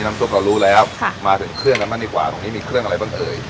น้ำซุ๊กเรารู้แล้วครับมาถึงเครื่องละมันดีกว่ามีเครื่องอะไรบ้างเอย